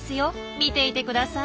見ていてください。